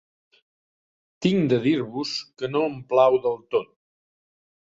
Tinc de dir-vos que no em plau del tot